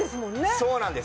そうなんです。